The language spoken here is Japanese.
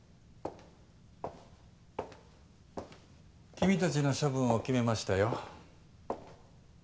・君たちの処分を決めましたよ。